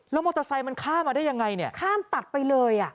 แล้วมอเตอร์ไซค์มันข้ามมาได้ยังไงเนี่ยข้ามตัดไปเลยอ่ะ